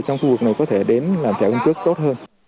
trong khu vực này có thể đến làm thẻ căn cứ tốt hơn